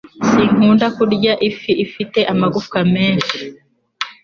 Sinkunda kurya amafi afite amagufwa menshi